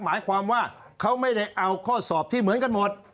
หมายความว่าเขาไม่ได้เอาข้อสอบที่เหมือนกันหมด